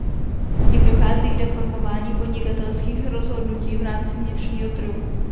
Tím dochází k deformování podnikatelských rozhodnutí v rámci vnitřního trhu.